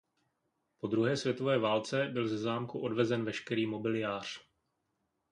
Po druhé světové válce byl ze zámku odvezen veškerý mobiliář.